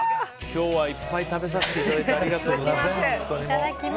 今日はいっぱい食べさせていただいてありがとうございます。